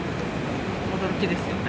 驚きですよね。